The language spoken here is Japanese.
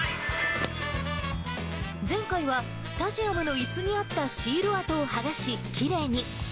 前回はスタジアムのいすにあったシール跡を剥がし、きれいに。